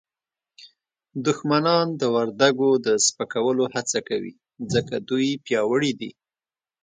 دښمنان د وردګو د سپکولو هڅه کوي ځکه دوی پیاوړي دي